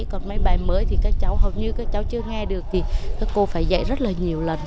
còn máy bài mới thì các cháu học như các cháu chưa nghe được thì các cô phải dạy rất là nhiều lần